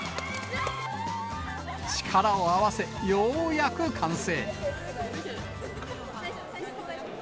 力を合わせ、ようやく完成。